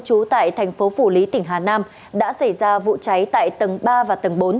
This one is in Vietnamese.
trú tại thành phố phủ lý tỉnh hà nam đã xảy ra vụ cháy tại tầng ba và tầng bốn